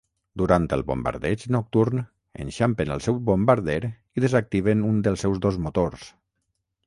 Durant el bombardeig nocturn, enxampen el seu bombarder i desactiven un dels seus dos motors.